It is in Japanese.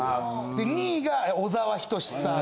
２位が小沢仁志さん。